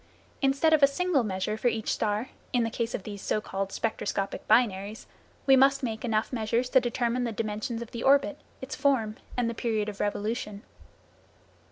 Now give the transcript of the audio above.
Instead of a single measure for each star, in the case of the so called spectroscopic binaries, we must make enough measures to determine the dimensions of the orbit, its form and the period of revolution.